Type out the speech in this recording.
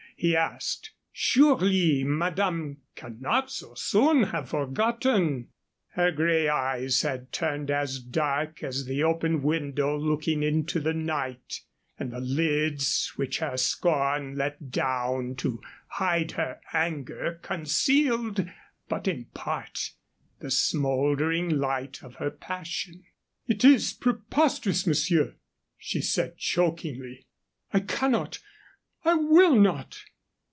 he asked. "Surely madame cannot so soon have forgotten?" Her gray eyes had turned as dark as the open window looking into the night, and the lids which her scorn let down to hide her anger concealed but in part the smoldering light of her passion. "It is preposterous, monsieur!" she said, chokingly. "I cannot! I will not!"